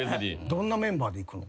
どんなメンバーで行くの？